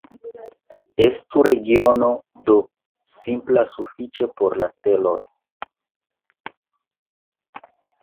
Estu regiono "D" simpla sufiĉe por la celoj.